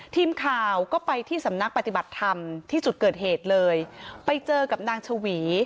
ทีมข่าวก็ไปที่สำนักปฏิบัติธรรมที่จุดเกิดเหตุเลยไปเจอกับนางชวี